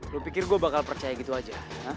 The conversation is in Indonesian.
lu pikir gua bakal percaya gitu aja